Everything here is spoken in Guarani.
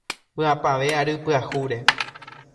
¡Vy’apavẽ ary pyahúre!